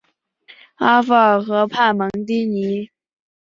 阿夫尔河畔蒙蒂尼。